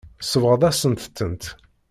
Tsebɣeḍ-asent-tent.